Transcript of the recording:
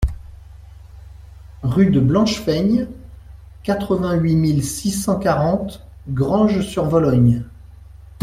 Rue de Blanchefeigne, quatre-vingt-huit mille six cent quarante Granges-sur-Vologne